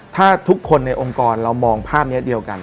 ถ้าทุกคนในองค์กรเรามองภาพนี้เดียวกัน